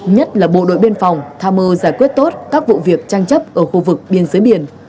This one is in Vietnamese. nhất là bộ đội biên phòng tham mơ giải quyết tốt các vụ việc tranh chấp ở khu vực biên giới biển